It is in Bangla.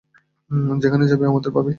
যেখানেই যাবি আমাদের পাবি!